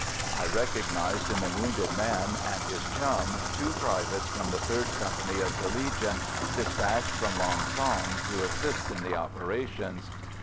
I recognised in the wounded man and his chum two privates from the 3rd Company of the Legion, despatched from Lang son to assist in the operations.